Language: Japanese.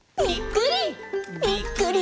「ぴっくり！